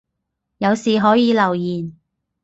有事可以留言